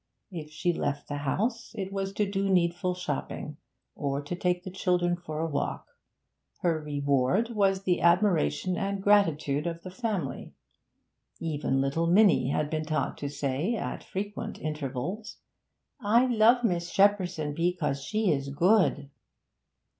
If she left the house, it was to do needful shopping or to take the children for a walk. Her reward was the admiration and gratitude of the family; even little Minnie had been taught to say, at frequent intervals: 'I love Miss Shepperson because she is good!'